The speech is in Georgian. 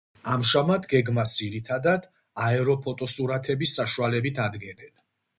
ამჟამად გეგმას ძირითადად აეროფოტოსურათების საშუალებით ადგენენ.